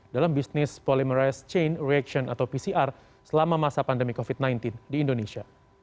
dalam bisnis polimerise chain reaction atau pcr selama masa pandemi covid sembilan belas di indonesia